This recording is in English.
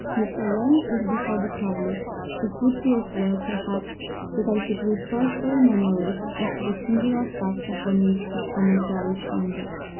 Before laying it before the public it would be as well, perhaps, that I should refresh their memories as to the singular facts upon which this commentary is founded.